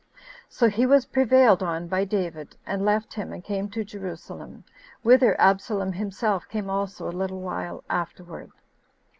So he was prevailed on by David, and left him, and came to Jerusalem, whither Absalom himself came also a little while afterward.